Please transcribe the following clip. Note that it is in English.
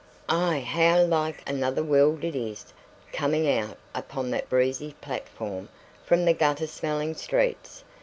Ah, how like another world it was, coming out upon that breezy platform from the gutter smelling streets!